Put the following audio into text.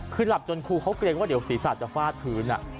คือหลับจนครูเขาเกรงว่าเดี๋ยวศีรษะจะฟาดพื้น